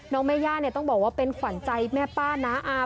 น้องเมย่าต้องบอกว่าเป็นขวัญใจแม่ป้าน้าอา